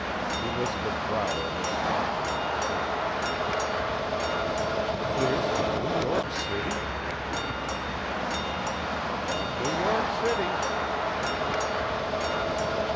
Elizabeth Brower looked thoughtfully at her husband. 'Clear from New York City?' she repeated. 'From New York City,' said he.